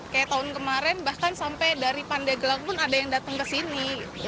kayak tahun kemarin bahkan sampai dari pandeglang pun ada yang datang ke sini